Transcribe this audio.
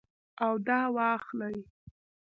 اوده واخلئ